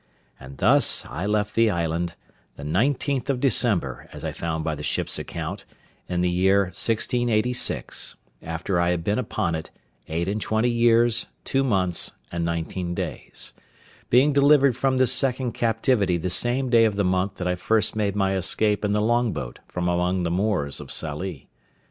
And thus I left the island, the 19th of December, as I found by the ship's account, in the year 1686, after I had been upon it eight and twenty years, two months, and nineteen days; being delivered from this second captivity the same day of the month that I first made my escape in the long boat from among the Moors of Sallee.